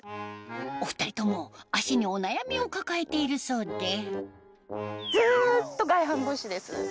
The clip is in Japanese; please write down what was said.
お２人とも足にお悩みを抱えているそうでずっと外反母趾です。